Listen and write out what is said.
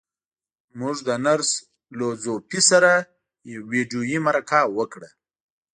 موږ له نرس لو ځو پي سره ويډيويي مرکه وکړه.